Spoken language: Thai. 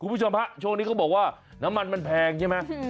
คุณผู้ชมฮะช่วงนี้เขาบอกว่าน้ำมันมันแพงใช่ไหม